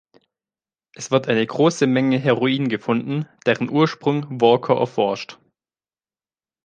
Es wird eine große Menge Heroin gefunden, deren Ursprung Walker erforscht.